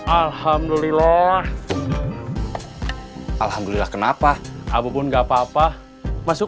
alhamdulillah alhamdulillah kenapa abu pun nggak papa masuk